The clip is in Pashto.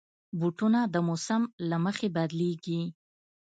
بوټونه د موسم له مخې بدلېږي.